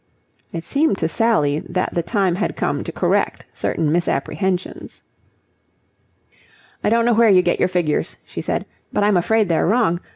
It seemed to Sally that the time had come to correct certain misapprehensions. "I don't know where you get your figures," she said, "but I'm afraid they're wrong.